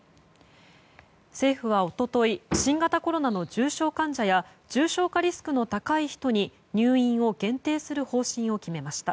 政府は一昨日新型コロナの重症患者や重症化リスクの高い人に入院を限定する方針を決めました。